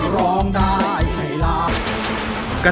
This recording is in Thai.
ร้องได้ให้ล้าน